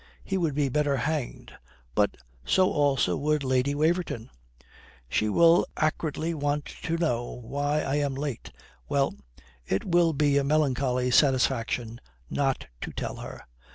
He would be better hanged. But so also would Lady Waverton. She will acridly want to know why I am late. Well! It will be a melancholy satisfaction not to tell her.